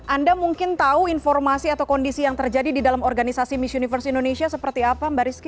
anda mungkin tahu informasi atau kondisi yang terjadi di dalam organisasi miss universe indonesia seperti apa mbak rizky